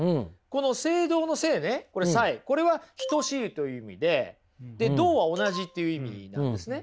この「斉同」の「斉」ねこれは等しいという意味でで「同」は同じっていう意味なんですね。